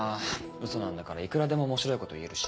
ウソなんだからいくらでも面白いこと言えるし。